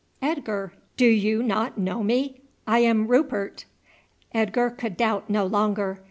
"Edgar, do you not know me? I am Rupert!" Edgar could doubt no longer.